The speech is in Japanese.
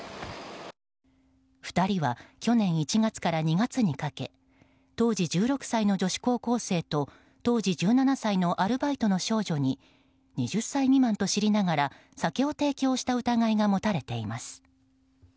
２人は去年１月から２月にかけ当時１６歳の女子高校生と当時１７歳のアルバイトの少女に２０歳未満と知りながら、酒を提供した疑いが持たれています。